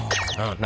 何？